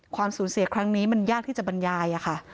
สูญเสียครั้งนี้มันยากที่จะบรรยายค่ะ